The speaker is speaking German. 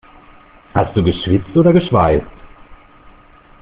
Hast du geschwitzt oder geschweißt?